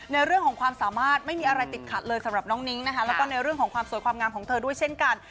ในเรื่องของความสามารถไม่มีอะไรติดขัดเลยสำหรับน้องนิ้งนะคะแล้วก็ในเรื่องของความสวยความงามของเธอด้วยเช่นกัน